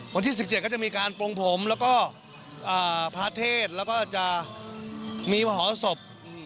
วันที่๑๗ก็จะมีการปลงผมแล้วก็พระเทศแล้วก็จะมีมหศพ